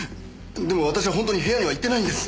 でも私はほんとに部屋には行ってないんです。